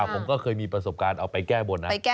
ผมก็เคยมาเห็นไปแก้บน